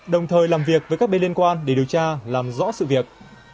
đồng thời làm việc với các bên liên quan để điều tra làm rõ sự việc